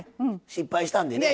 失敗したんでね。